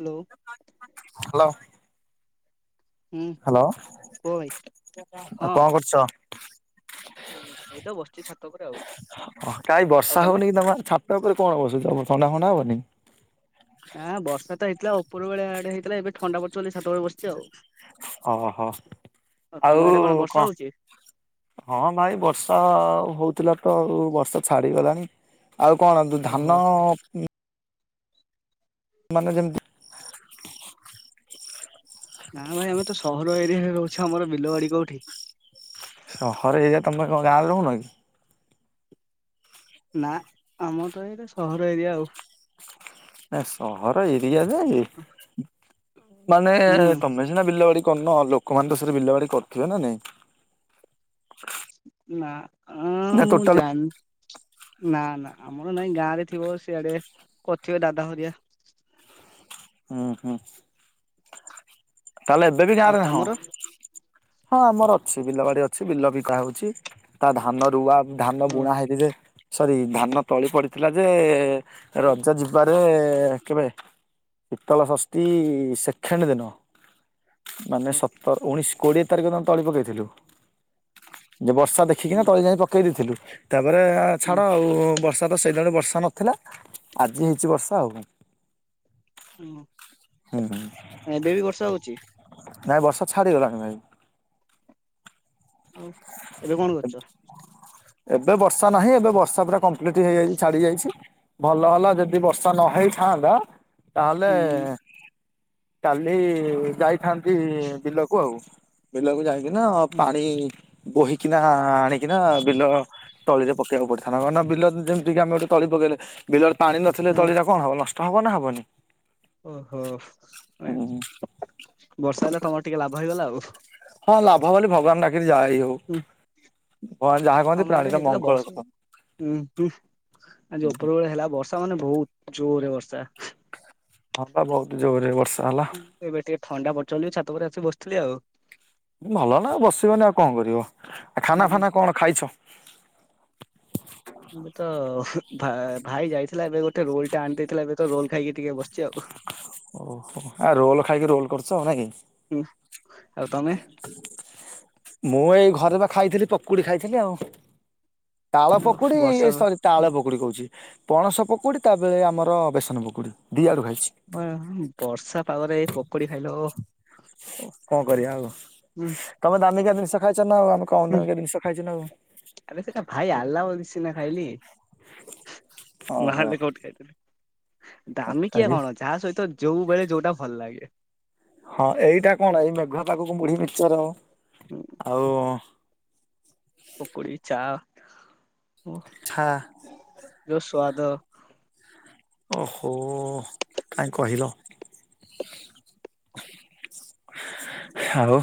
Hello. [inaudible] ହୁଁ hello, କୁହ ଭାଇ। ଆଉ ହଁ କ'ଣ କରୁଚ? ଏଇତ ବସ୍‌ଚି ଛାତ ଉପରେ ଆଉ। ଆଉ ତମେ? [inaudible] ନା ବର୍ଷା ତ ହେଇଥିଲା ଉପରବେଳେ ଆଡେ ହେଇଥିଲା। ଏବେ ଥଣ୍ଡା ପଡୁଛି ବୋଲି ଛାତ ଉପରେ ବସିଛି ଆଉ। ଓହୋ, ତମ ଆଉ ଆଡେ ବର୍ଷା କଣ? ହଉଛି? ହଁ ଭାଇ ବର୍ଷା ହଉଥିଲା ତ ଆଉ ବର୍ଷା ଛାଡିଗଲାଣି। ଆଉ କଣ ଦୁ ଓହୋ ଧାନ ମାନେ ଯେମିତି ନା ଭାଇ ଆମେ ତ ସହର ଏରିଆରେ ରହୁଛ ଆମର ବିଲବାଡି କୋଉଠି। ସହର ଏରିଆ ତୋମେ କଣ ଗାଁରେ ରହୁନ କି? ନା ଆମର ତ ଏଇଟା ସହର ଏରିଆ ଆଉ। ନା ସହର ଏରିଆ ଯେ ମାନେ ହୁଁ ତୋମେ ନା ବିଲବାଡି କନ ଲୋକମାନେ ତ ସେରେ ବିଲାଡି କରିଥିବେ ନା ନାଇଁ? ନା ଅଁ, ନା ମୁଁ ଟୋଟାଲ ଜାଣ ନା ନା ଆମର ନାଇଁ। ଗାଁ ରେ ଥିବ ସିଆଡେ କରିଥିବେ ଦାଦା ହରିଆ। ଉଁ, ହୁଁ, ତାହେଲେ ଏବେ ବି ଆଉ ଗାଁରେ ନାହଁ? ତମର ହଁ ଆମର ଅଛି ବିଲ ବାଡି ଅଛି। ବିଲ ବିକା ହଉଛି। ତା ଧାନ ରୁଆ ଧାନ ଓ ବୁଣା ହେଇକି ଯେ ସରି ଧାନ ତଳି ପଡିଥିଲା ଯେ ରଜ ଯିବାରେ କେବେ ଶୀତଳ ଷଷ୍ଟି ସେଖେଣ୍ଡ ଦିନ ମାନେ ହୋ ସ ତ ଉଣେଇଶ କୋଡିଏ ତାରିଖ ଆମେ ତଳି ପକେଇଥିଲୁ, ଯେ ବର୍ଷା ଦେ ହଁ ଖିକିନା ତଳି ଯାଇ ପକେଇ ଦେଇଥିଲୁ। ତାପରେ ଆ, ଛାଡ଼ ହଁ ଆଉ ବର୍ଷ ର୍ଷା ତ ସେଇ ଦିନଠୁ ବର୍ଷା ନଥିଲା। ଆଜି ହେଇଛି ବର୍ଷା ଆଉ କଣ। ହଁ। ହୁଁ, ହୁଁ। ଏବେ ବି ବର୍ଷା ହଉଛି? ନାଇଁ ବର୍ଷା ଛାଡ଼ିଗଲାଣି ଭାଇ। ଆଉ ଏବେ କଣ କରୁଚ? ଏବେ ବର୍ଷା ନାହିଁ, ଏବେ ବର୍ଷା ପୁରା କମ୍ପ୍ଲିଟ ହେଇଯାଇଛି ଛାଡି ଯାଇଛି। ଭଲ ହେଲା ଯଦି ବର୍ଷା ନ ହେଇଥାନ୍ତା, ତାହେଲେ ହୁଁ କାଲି ଯାଇଥାନ୍ତି ବିଲକୁ ଆଉ। ବିଲକୁ ଯାଇ କିନା ହୁଁ ପାଣି ବୋହିକିନା ଆଣିକିନା ବିଲ ତଳିରେ ପକେଇବାକୁ ପଡିଥାନ୍ତା। ମାନେ ବିଲ ଯେମତିି କି ଆମେ ଗୋଟେ ତଳି ପକେଇଲେ ବିଲରେ ପାଣି ନଥିଲେ ଓ ତଳି ଟା କଣ ହବ ନଷ୍ଟ ହବ ନା ହବନି? ଓହୋ, ହୁଁ ନାଇ ବର୍ଷା ହେଲେ ତୋମର ଟିକେ ଲାଭ ହେଇଗଲା ଆଉ। ହଁ ଲାଭ ବୋଲି ଭଗବାନ ଡାକିରି ଯା ଏହି ହୁଁ ହଉ। ଭଗବାନ ଯାହା କହନ୍ତି ଆମ ଇଆଡେ ପ୍ରାଣୀର ହେଇଥିଲା ମଙ୍ଗଳ ବର୍ଷା କର। ହୁଁ, ହୁଁ ଆଜି ଓପରବେଳେ ହେଲା ବର୍ଷ ଷା ମାନେ ବହୁତ ଜୋରରେ ବର୍ଷା। ହଁ ପା ବହୁତ ଜୋରରେ ବର୍ଷା ହେଲା। ଏବେ ଟିକେ ଥଣ୍ଡା ପଡ଼ିଛି ବୋଲି ଛାତ ଉପରେ ଆସିକି ବସିଥିଲି ଆଉ। ଭଲ ନା ଆଉ ବସିବନି ଆଉ କଣ କରିବ? ଆଉ ଖାନା ହୁଁ ଫାନା କଣ ଖାଇଛ? ଏବେ ତ ଭା-ଭାଇ ଯାଇଥିଲା ଏବେ ଗୋଟେ ରୋଲ୍ ଟା ଆଣିଦେଇଥିଲା। ଏବେ ତ ରୋଲ୍ ଖାଇକି ଟିକେ ବସିଛି ଆଉ। ଓହୋ! ଆ, ରୋଲ ଖାଇକି ରୋଲ କରୁଛ ନାଇ। ହୁଁ, ଆଉ ତୋମେ? ମୁଁ ଏଇ ଘରେ ପା ଖାଇଥିଲି ପକୁଡ଼ି ଖାଇଥିଲି ଆଉ। ତାଳ ପକୁଡି ବର୍ଷା ଏ ସରି ତାଳ ପକୁଡି କହୁଛି। ପଣସ ପକୁଡ଼ି ତା ବେଳେ ଆମର ବେସନ ପକୁଡ଼ି ଦି ଆଡ଼ୁ ଖାଇଛି। ଅଏ ହଁ ବର୍ଷା ପାାଗରେ ଏ ପକୁଡି ଖାଇଲ। କଣ କରିବା ଆଉ ତୋମେ ଦାମିକିଆ ଜିନିଷ ଖାଇଛ ନା ଆଉ ଆମେ କମ ହୁଁ, ଦାମିକା ଜିନିଷ ଖାଇଛୁ ନା ଆଉ ଆରେ ସେଟା ଭାଇ ଆଲା ବୋଲି ସିନା ଖାଇଲି। ଓହୋ। ନହେଲେ କୋଉଠି ଖାଇଥିଲି? ଦାମିକିଆ କଣ ଯାହା ସହିତ ଯୋଉ ବେଳେ ଯୋଉଟା ଭଲ ଲାଗେ। ହଁ ଏଇଟା କଣ? ଏଇ ମେଘୁଆ ପାଖକୁ ମୁଢୀ ମିକ୍ସଚର ହୁଁ ଆ ଆଉ ପକୁଡି ଚା ଛା ଯଉ ସ୍ଵାଦ। ଓହୋ, କାହିଁ କହିଲ? ଆଉ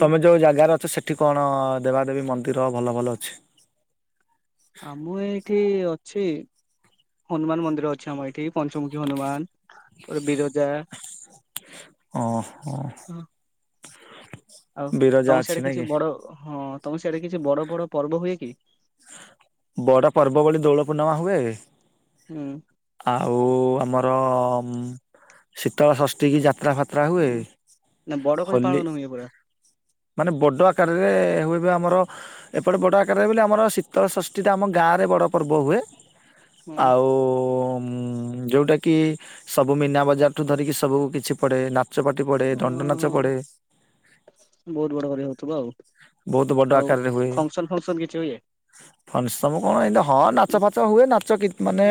ତମେ ଯୋଉ ଜାଗାରେ ଅଛ ସେଠି କଣ ଦେବାଦେବୀ ମନ୍ଦିର ଭଲ ଭଲ ଅଛି? ଆ ମୁଁ ଏଇଠି ଅଛି ହନୁମାନ ମନ୍ଦିର ଅଛି ଆମର ଏଇଠି ପଞ୍ଚମୁଖୀ ହନୁମାନ, ବିରଜା ଓ ହ। ଆଉ ତମ ସିଆଡ଼େ କିଛି କି? ବଡ, ହଁ ତମ ସିଆଡ଼େ କିଛି ବଡ ବଡ ପର୍ବ ହୁଏ କି? ବଡ ପର୍ବ ଭଳି ଦୋଳ ପୂର୍ଣ୍ଣିମା ହୁଏ। ହୁଁ ଉଁ ଆଉ ଆମର ଶୀତଳ ଷଷ୍ଠୀ କି ଯାତ୍ରା ଫାତ୍ରା ଯାତ୍ରା ହୁଏ ନା ବଡ କରି ହୋଲି ପାଳନ ହୁଏ ପୁରା ମାନେ ବଡ଼ ଆକାରରେ ହୁଏବି ଆମର ଏପଟେ ବଡ଼ ଆକାରରେ ବୋଲି ଆମର ଶି ଶୀତଳଷଷ୍ଠୀଟା ଆମ ଗାଁରେ ବଡ଼ ପର୍ବ ହୁଏ, ହଁ ଆଉ ଯୋଉଟା କି, ସବୁ ମୀନା ବଜାର ଠୁ ଧରିକି ସବୁ କିଛି ପଡେ ନା କଚପାଟି ପଡେ, ଦଣ୍ଡ ନାଚ ପଡ଼େ। ବହୁତ ବଡ କରି ହଉଥିବ ଆଉ, ବହୁତ ଆଉ ଫଙ୍କସନ ଫଙ୍କସନ କିଛି ହୁଏ? ଫଙ୍କସନ ସବୁ କଣ? ଏ ହଁ ନାଚ ଫାଚ ହୁଏ ନାଚ କି ମାନେ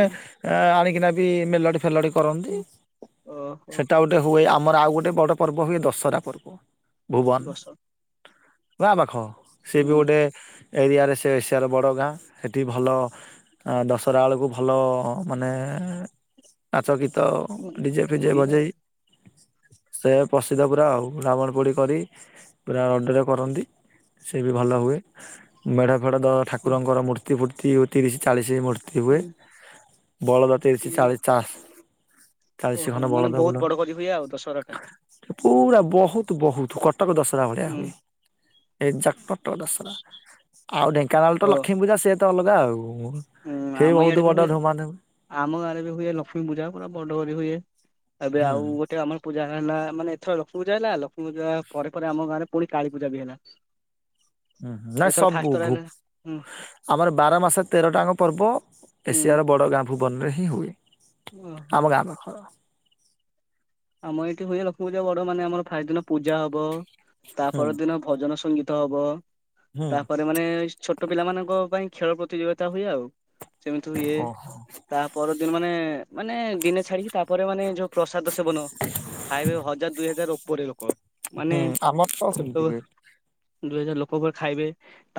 ଆଣିକିନା ବି ମେଲଡ଼ି ଫେଲଡ଼ି କରନ୍ତି ଓହୋ ସେଇଟା ଗୋଟେ ଗୋଟେ ହୁଏ ଆମର ଆଉ ଗୋଟେ ବଡ଼ ପର୍ବ ହୁଏ ଦଶହରା ପର୍ବ, ଭୁବନ ଦଶ ଗାଁ ପାଖ, ସିଏ ବି ଗୋଟେ ଏରିଆରେ ସେ ଏସିଆର ବଡ଼ ଗାଁ, ସେଠି ଭଲ ଆ ଦଶହରା ବେଳକୁ ଭଲ ମାନେ, ନାଚ ଗୀତ ଡିଜେ ଫିଜେ ହୁଏ ଆଉ ବଜେଇ ସେ ପ୍ରସିଦ୍ଧ ପୁରା ଆଉ ରାବଣ ପୋଡ଼ି କରି ପୁରା ରଡରେ କରନ୍ତି। ସେ ବି ଭଲ ହୁଏ, ମେଢ ଫେଢ ତ ଠାକୁରଙ୍କର ମୂର୍ତ୍ତି ଫୁର୍ତ୍ତି ତିରିଶ ଚାଳିଶ ମୂର୍ତ୍ତି ଥିବେ, ବଳଦ ତିରିଶି ଚାଲିଶି ଟା ଓହୋ, ମାନେ ବହୁତ ବଡ କରି ହୁଏ ଆଉ ଦଶହରା ଟା। ପୁରା ବହୁତ ବହୁତ କଟକ ଦଶହରା ଭଳିଆ ହୁଁ ହୁଏ। ଏ ଜାକ ପତ୍ର ଦଶହରା ଆଉ ଢେଙ୍କାନାଳ ତ ଓ ଲକ୍ଷ୍ମୀପୂଜା ସେତ ଅଲଗା ଆଉ ହୁଁ ସେଇ ଆମ ଇଆଡେ ବହୁତ ବି ବଡ ହୁଏ ଧୁମାଧୁମ ଆମ ଗାଁରେ ବି ହୁଏ ଲକ୍ଷ୍ମୀ ପୂଜା ପୁରା ବଡ କରି ହୁଏ, ଏବେ ଆଉ ହୁଁ ଏତବେ ଆମର ପୂଜା ହେଲା, ମାନେ ଏଥର ଲକ୍ଷ୍ମୀ ପୂଜା ହେଲା, ଲକ୍ଷ୍ମୀ ପୂଜା ପରେ ଆମ ଗାଁରେ ପୁଣି କାଳୀପୂଜା ବି ହେଲା। [inaudible] ହୁଁ, ନାଇଁ ଏଥର ସବୁ ଫାଷ୍ଟଥର ଭୁ ହେଲା ହୁଁ ଆମର ବାର ମାସ ତେରଟାଙ୍କ ପର୍ବ, ହୁଁ ଏସିଆର ବଡ଼ ଗାଁ ଭୁବନରେ ହିଁ ହୁଏ। ଓହୋ ଆମ ଗାଁ ଆମ ଏଇଠି ହୁଏ ଲକ୍ଷ୍ମୀ ପୂଜା ବଡ ମାନେ ଆମର ଫାଇ ଦିନ ପୂଜା ହବ, ତା ହୁଁ ପର ଦିନ ଭଜନ ସଙ୍ଗୀତ ହବ, ହୁଁ ତାପରେ ମାନେ ଛୋଟ ପିଲା ମାନଙ୍କ ପାଇଁ ଖେଳ ପ୍ରତିଯୋଗିତା ହୁଏ ଆଉ, ସେମିତି ହୁଏ। ଓହୋ ତା ପର ଦିନ ମାନେ, ମାନେ ଦିନେ ଛାଡିକି ତାପରେ ମାନେ ଯୋଉ ପ୍ରସାଦ ସେବନ ଖାଇବେ ହଜାର ଦୁଇ ହଜାର ଉପରେ ଲୋକ ମାନେ ହୁଁ ଆମର ତ ସେମିତି ସବୁ ହୁଏ ଦୁଇ ହଜାର ଲୋକ ପୁରା ଖାଇବେ,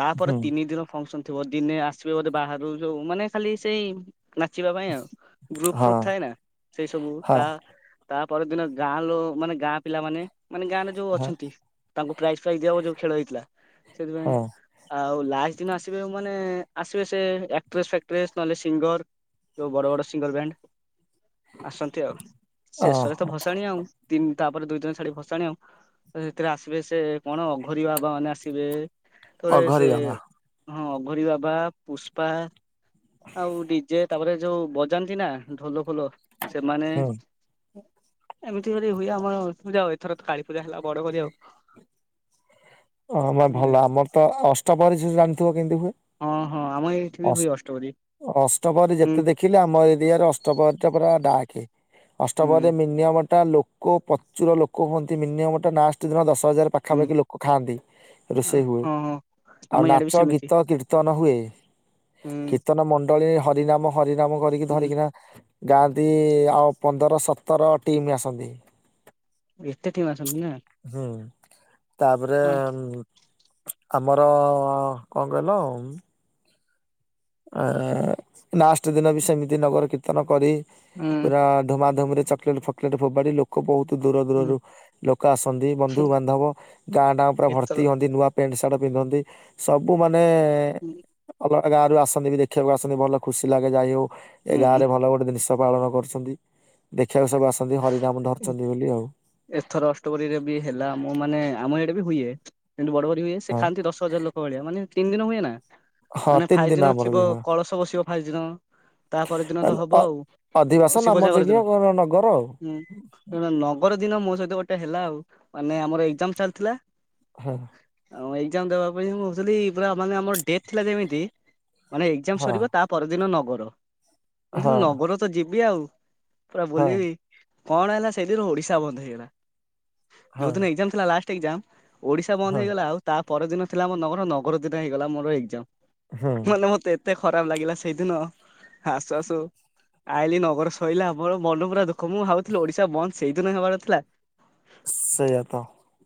ତାପରେ ହୁଁ ତିନି ଦିନ ଫଙ୍କସନ ଥିବ, ଦିନେ ଆସିବେ ବୋଧେ ବାହାରୁ ଯୋଉ ମାନେ ଖାଲି ସେଇ ନାଚିବା ପାଇଁ ଆଉ, ଗ୍ରୁପ ହଁ। ଫ୍ରୁପ ଥାଏ ନା ସେଇ ସବୁ ହଁ ତା ତା ପରଦିନ ଗାଁ ଲ ମାନେ ଗାଁ ପିଲାମାନେ, ମାନେ ଗାଁରେ ଯୋଉ ହଁ ଅଛନ୍ତି। ତାଙ୍କୁ ପ୍ରାଇଜ ଫ୍ରାଇଜ ଦିଆହୋଇ ଯୋଉ ଖେଳ ହେଇଥିଲା, ସେଥିପାଇଁ ହଁ ଆଉ ଲାଷ୍ଟ ଦିନ ଆସିବେ ମାନେ, ଆସିବେ ସେ ଆକ୍ଟ୍ରେସ ଫାକ୍ଟ୍ରେସ୍ ନହେଲେ ସିଙ୍ଗର ଯୋଉ ବଡ ବଡ ସିଙ୍ଗଲ ବ୍ୟାଣ୍ଡ ଆସନ୍ତି ଆଉ ଶେଷ ଓହୋ ଭସାଣି ଆଉ, ତିନି ତାପରେ ଦୁଇ ଦିନ ଛାଡି ଭସାଣି ଆଉ ସେଥିରେ ଆସିବେ ସେ କଣ ଅଘୋରି ବାବା ମାନେ ଆସିବେ ଥରେ ଅଘରୀ ସେ ବାବା। ହଁ ଅଘୋରୀ ବାବା ପୁଷ୍ପା ଆଉ ଡିଜେ ତାପରେ ଯୋଉ ବଜାନ୍ତି ନା ଢୋଲ ଫୋଲ ସେମାନେ ହୁଁ ଏମିତି କରି ହୁଏ ଆମ ପୂଜା ଆଉ ଏଥର ତ କାଳୀ ପୂଜା ହେଲା ବଡ କରି ଆଉ। ହଁ ଭଲ ଆମର ତ ଅଷ୍ଟପ୍ରହରୀ ଜାଣିଥିବ କେମିତି ହୁଏ? ହଁ ହଁ ଆମ ଏଇଠି ବି ହୁଏ ଅଷ୍ଟପରି ଅଷ୍ଟପ୍ରହରୀ ହୁଁ ଯେତେ ଦେଖି ଦେଖିଲେ ଆମର ଏରିିଆରେ ଅଷ୍ଟପ୍ରହରୀ ଟା ପୁରା ଡାକେ ଅଷ୍ଟପ୍ରହରୀରେ ହୁଁ ମିନିମମ୍ ଟା ଲୋକ ଲୋକ ପ୍ରଚୁର ଲୋକ ହୁଅନ୍ତି ମିନିମମ୍ ଲାଷ୍ଟ ଦିନ ଦଶ ହଜାର ହୁଁ ପାଖାପାଖି ଲୋକ ଖାଆନ୍ତି ରୋଷେଇ ହୁଏ ହଁ ହଁ। ଆଉ ଆମ ଇଆଡେ ବି ନାଚ ସେମିତି ଗୀତ କୀର୍ତ୍ତନ ହୁଏ ହୁଁ କୀର୍ତ୍ତନ ମଣ୍ଡଳୀ ହରିନାମ ହରିନାମ କରିକି ହୁଁ ଧରିକିନା ଗାଆନ୍ତି ଆଉ ପନ୍ଦର ସତର ଟିମ୍ ଆସନ୍ତି। ଏତେ ଟିମ୍ ଆସନ୍ତି ନା। ହୁଁ। ତାପରେ ହଁ ଆମର କଣ କହିଲ ଆ ଲାଷ୍ଟ ଦିନ ବି ସେମିତି ନଗର କୀର୍ତ୍ତନ କରି ହୁଁ। ପୁରା ଧୁମାଧୁମ ରେ ଚକଲେଟ ଫକଲେଟ ଫୋପାଡି ଲୋକ ବହୁତ ଦୂର ହୁଁ ଦୂରରୁ ଲୋକ ଆସନ୍ତି ବନ୍ଧୁବାନ୍ଧବ ଗାଁ ଟା ପୁରା ଏଥର ଭର୍ତ୍ତି ହୁଅନ୍ତି ନୂଆ ପ୍ୟାଣ୍ଟ ସାର୍ଟ ପିନ୍ଧନ୍ତି ସବୁ ମାନେ [unintelligible] ଅଲଗା ଗାଁରୁ ଆସନ୍ତି ବି ଦେଖିବାକୁ ଆସନ୍ତି ଭଲ ଖୁସି ଲାଗେ ଯାଇ ହଉ ଏ ଗାଁରେ ଭଲ ଗୋଟେ ଜିନିଷ ପାଳନ କରୁଛନ୍ତି ଦେଖିବାକୁ ସବୁ ଆସନ୍ତି ହରିନାାମ ଧରିଛନ୍ତି ବୋଲି ଆଉ। ଏଥର ଅଷ୍ଟପ୍ରହରୀ ରେ ବି ହେଲା ମୁଁ ମାନେ ଆମ ଏଇଡେ ବି ହୁଏ ସେମତି ବଡ ବଡି ହୁଏ ସେ ହଁ ଖାନ୍ତି ଦଶ ହଜାର ଲୋକ ଭଳିଆ ମାନେ ତିନି ଦିନ ହୁଏ ନା ହଁ ମାନେ ତିନି ଫାଇଭ୍ ଦିନ ଆମର ବି ଅଥିବ ହଁ କଳସ ବସିବ ଫାଇଭ୍ ଦିନ। ତାପରଦିନ ତ ହବ ଆଉ ଅଧିବାସ ନାମ ଶିବ ଜାଗର ଦିନ ଯଜ୍ଞ ନଗର ଆଉ ହୁଁ କଣ ନଗର ଦିନ ମୋ ସହିତ ଗୋଟେ ହେଲା ଆଉ ମାନେ ଆମର ଏଜାମ ଚାଲିଥିଲା ହଁ। ଆଉ ଏଜାମ ଦେବା ପାଇଁ ମୁଁ କହୁଥିଲି ପା ମାନେ ଆମର ଡେଟ ଥିଲା ଯେମିତି ମାନେ ଏକ୍ଜାମ ହଁ ସରିବ ତା ପରଦିନ ନଗର ବୁଝଥିଲି ହଁ ନଗର ତ ଯିବି ଆଉ ପୁରା ହଁ ବୁଲିବି କଣ ହେଲା ସେଇଦିନ ଓଡିଶା ବନ୍ଦ ହେଇଗଲା ହଁ ଯୋଉ ଦିନ ଥିଲା ଲାଷ୍ଟ ଏଜାମ ଓଡିଶା ହଁ ବନ୍ଦ ହେଇଗଲା ଆଉ ତା ପର ଦିନ ଥିଲା ଆମ ନଗର ନଗର ଦିନ ହେଇଗଲା ମୋର ଏଜାମ ହୁଁ ମାନେ ମୋତେ ଏତେ ଏତେ ଖରାପ ଲାଗିଲା ସେଇଦିନ ଆସୁ ଆସୁ ଆଇଲିି ନଗର ସରିଲା ଆମର ମନ ପୁରା ଦୁଃଖ ଆଗ ମୁଁ ଭାବୁଥିଲି ଓଡିଶା ବନ୍ଦ ସେଇଦିନ ହେବାର ଥିଲା ସେଇଆ ତ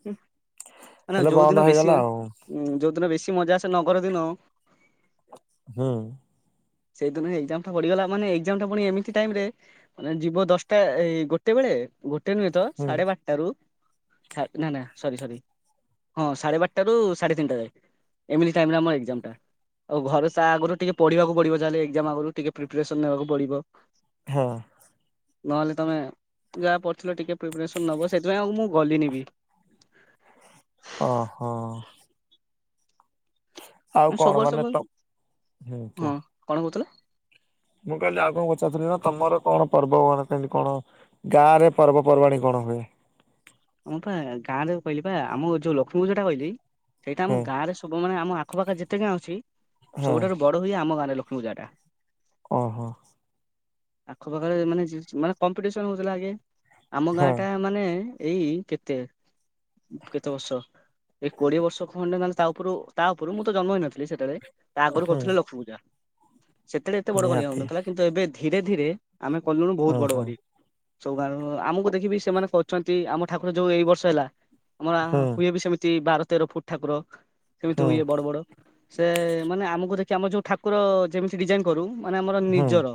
ମାନେ ହେଲେ ବନ୍ଦ ଯଉଦିନ ବେଶୀ ହେଇଗଲା ଆଉ ଉୁଁ ଯୋଉ ଦିନ ବେଶୀ ମଜା ଆସେ ନଗର ଦିନ ହଁ। ସେଇଦିନ ହଁ ଏକ୍ସାମ ଟା ପଡିଗଲା ମାନେ ଏକ୍ସାମ୍ ଟା ପୁଣି ଏମିତି ଟାଇମ ରୋନ ଯିବ ଦଶଟା ତ ଏଇ ଗୋଟେ ବେଳେ ଗୋଟେ ନୁହେଁ ତ ହୁଁ ସାଢେ ବାରଟା ସାଢ଼େ ବାର ଟା ରୁ ନା ନା ସରି ସରି ହଁ ସାଢେ ବାରଟା ରୁ ସାଢେ ତିନିଟା ଯାଏ। ଏମିତି ଟାଇମରେ ଆମ ଏକଜାମ ଟା। ଆଉ ଘରେ ସା ଆଗରୁ ଟିକେ ପଢିବାକୁ ପଡିବ ତାେଲେ ଏକ୍ଜାମ ଆଗରୁ ଟିକେ ପ୍ରିପାରେସନ ନବାକୁ ପଡିବ। ହଁ। ନହେଲେ ତୁମେ ଯାହା ପଡ଼ିଥିଲ ଟିକେ ପ୍ରିପରେସନ୍ ନେବ ସେଥିପାଇଁ ଆଉ ମୁଁ ଗଲିନି ବି। ଓହୋ। ଆଉ କଣ ସବୁ ମାନେ ସବୁ ତ ହୁଁ ହଁ କୁହ କଣ କହୁଥିଲ? ମୁଁ କହିଲି ଆଗକୁ ପଚାରୁଥିଲି ନା ତମର କଣ ପର୍ବ ମାନ କେମିତି କଣ ଗାଁ ରେ ପର୍ବପର୍ବାଣିୀ କଣ ହୁଏ? ଆମ ପା ଗାଁ ରେ କହିଲି ବା ଆମ ଯୋଉ ଲକ୍ଷ୍ମୀ ପୂଜାଟା କହିଲି ସେଇଟା ଆମ ହୁଁ ଗାଁ ରେ ସବୁ ମାନେ ଆମ ଆଖପାଖ ଯେତେ ଗାଁ ଅଛି ହୁଁ ସବୁଠାରୁ ବଡ ହୁଏ ଆମ ଗାଁରେ ଲକ୍ଷ୍ମୀପୂଜାଟା। ଓହୋ। ଆଖ ପାଖରେ ମାନେ ଯି ମାନେ କମ୍ପିଟିସନ ହୋଉଥୁଲା ଆଗେ ଆମ ହୁଁ ଗାଁଟା ମାନେ ଏଇ କେତେ କେତେବର୍ଷ ଏଇ କୋଡିଏ ବର୍ଷ ଖଣ୍ଡେ ନହେଲେ ତା ଉପରୁ ତା ଉପରୁ ମୁଁ ତ ଜନ୍ମ ହେଇନଥିଲି ସେତଳେ ତା ଆଗରୁ ହୁଁ କରିଥିଲେ ଲକ୍ଷ୍ମୀପୂଜା। ସେତେଳେ ଏତେ ବଡ କରି ନିହାତି ହୋଉନଥିଲା କିନ୍ତୁ ଏବେ ଧୀରେଧୀରେ ଆମେ କଲୁଣୁ ହୁଁ ବୋହୁତ ବଡ ହୁଁ କରି। ସବୁ ଗାରୁଁ ଆମକୁ ଦେଖିବି ସେମାନେ କରୁଚନ୍ତି ଆମ ଠାକୁର ଯୋଉ ଏଇ ବର୍ଷ ହେଲା। ଆମର ଆଣ ହୁଁ ହୁଏ ବି ସେମିତି ବାର ତେର ଫୁଟ ଠାକୁର ସେମିତି ହୁଁ ହୁଏ ବଡବଡ। ସେ ମାନେ ଆମକୁ ଦେଖି ଆମର ଯୋଉ ଠାକୁର ଯେମିତି ଡିଜାଇନ କରୁ ମାନେ ଆମର ହୁଁ ନିଜର।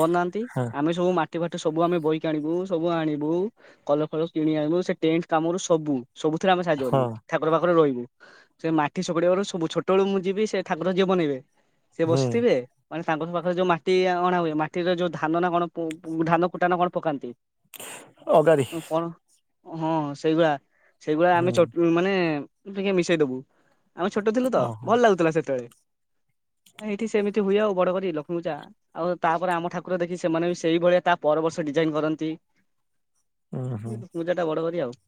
ବନାନ୍ତି ହଁ ଆମେ ସବୁ ମାଟି ଫାଟି ସବୁ ଆମେ ବୋହିକି ଆଣିବୁ ସବୁ ଆଣିବୁ କଲ ଫଳ କିଣିବାକୁ ସେ ସେଣ୍ଟ କାମରୁ ସବୁ ସବୁଥିରେ ଆମେ ସାହାଯ୍ୟ କରିବୁ। ହଁ ଠାକୁର ପାଖରେ ରହିବୁ ସେ ମାଟିି ଶୁଗୁଡିବାରୁ ସବୁ ଛୋଟବେଳୁ ମୁଁ ଯିବିି ସେଠାକୁର ଯିଏ ବନେଇବେ। ସିଏ ହୁଁ ବସିଥିବେ ମାନେ ତାଙ୍କ ସ ପାଖରେ ଯୋଉ ମାଟି ଅଣା ହୁଏ ମାଟିରେ ଯୋଉ ଧାନ ନା କଣ ପୁ ପୁ ଧାନକୁଟା ନା କଣ ପକାନ୍ତି। ଅଗାଡ଼ି। କଣ ହଁ ସେଇଗୁଡା ସେଇଗୁଡା ହୁଁ ଆମେ ଚୋ ମାନେ ଟିକେ ମିଶେଇଦୋବୁ ଆମେ ଛୋଟ ଥିଲୁ ତ ଓହୋ ଭଲ ଲାଗୁଥିଲା ସେତେବେଳେ। ଏଇଠି ସେମିତି ହୁଏ ଆଉ ବଡ କରି ଲକ୍ଷ୍ମୀପୂଜା। ଆଉ ତାପରେ ଆମ ଠାକୁର ଦେଖି ସେମାନେ ବି ସେଇଭଳିଆ ତା ପର ବର୍ଷ ଡିଜାଇନ କରନ୍ତି। ହୁଁ ହୁଁ ପୂଜାଟା ବଡ କରି ଆଉ।